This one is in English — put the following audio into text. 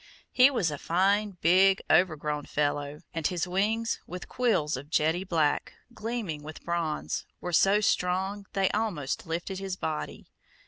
He was a fine, big, overgrown fellow, and his wings, with quills of jetty black, gleaming with bronze, were so strong they almost lifted his body.